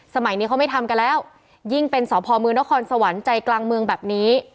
สมัยนี้เขาไม่ทำกันแล้วยิ่งเป็นสพมนครสวรรค์ใจกลางเมืองแบบนี้